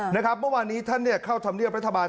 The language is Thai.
อ่ะนะครับเมื่อวานนี้ท่านเนี่ยเข้าโรงเรียนบรรถบาล